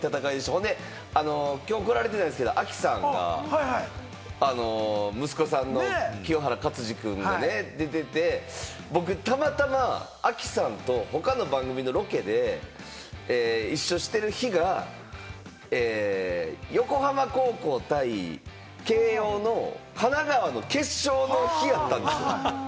ほんで、今日来られてないですけれども、亜希さんが息子さんの清原勝児くんがね、出てて、僕たまたま、亜希さんと他の番組のロケで一緒してる日が横浜高校対慶應の神奈川の決勝の日やったんですよ。